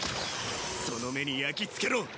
その目に焼き付けろ！